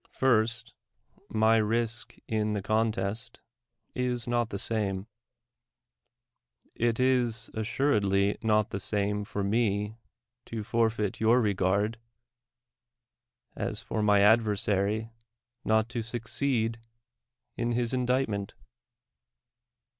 First, my risk in the contest is not the sairic. It is assuredly not the same for lae to forfeit your regard, as for my adv^^rsary not to succeed in his indictment.